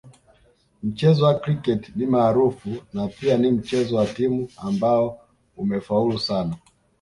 Mchezo wa kriketi ni maarufu na pia ni mchezo wa timu ambao umefaulu sana